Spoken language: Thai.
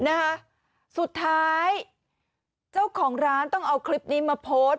นะคะสุดท้ายเจ้าของร้านต้องเอาคลิปนี้มาโพสต์